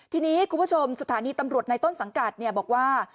ทีนี้คุณผู้ชมสถานีตำรวจในต้นสังกัดบอกว่า